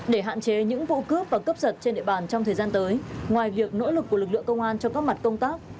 để hạn chế những vụ cướp và cướp giật trên địa bàn trong thời gian tới ngoài việc nỗ lực của lực lượng công an cho các mặt công tác